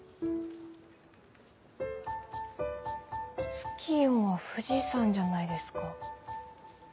ツキヨンは富士山じゃないですか？